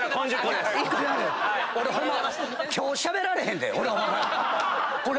俺ホンマ今日しゃべられへんで？